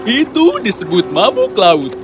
itu disebut mabuk laut